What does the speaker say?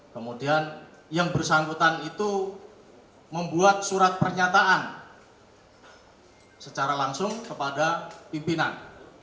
kemudian yang bersangkutan itu membuat surat pernyataan secara langsung kepada pimpinan